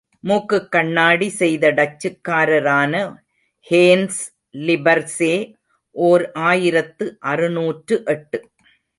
மூக்குக்கண்ணாடி செய்த டச்சுக்காரரான hence Lippershey, ஓர் ஆயிரத்து அறுநூற்று எட்டு.